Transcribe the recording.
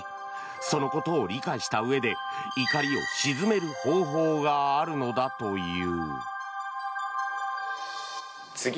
そのことを理解したうえで怒りを鎮める方法があるのだという。